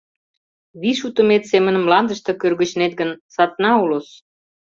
Вий шутымет семын мландыште кӧргычнет гын, садна улыс.